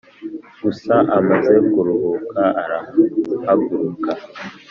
gusa amaze kuruhuka arahaguruka